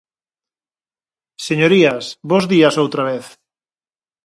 Señorías, bos días outra vez.